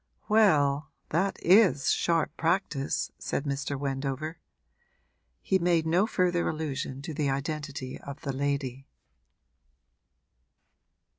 'Well, that is sharp practice!' said Mr. Wendover. He made no further allusion to the identity of the lady.